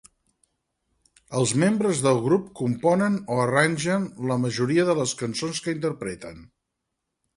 Els membres del grup componen o arrangen la majoria de les cançons que interpreten.